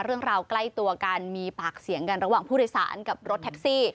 ใกล้ตัวกันมีปากเสียงกันระหว่างผู้โดยสารกับรถแท็กซี่